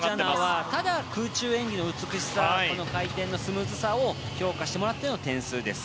ただ空中演技の美しさ回転のスムーズさを評価してもらったような点数です。